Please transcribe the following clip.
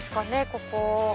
ここ。